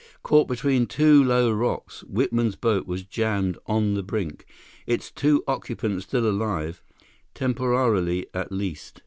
Caught between two low rocks, Whitman's boat was jammed on the brink, its two occupants still alive, temporarily at least.